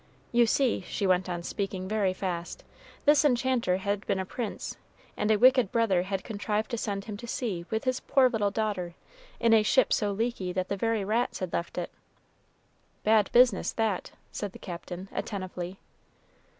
"You see," she went on speaking very fast, "this enchanter had been a prince, and a wicked brother had contrived to send him to sea with his poor little daughter, in a ship so leaky that the very rats had left it." "Bad business that!" said the Captain, attentively.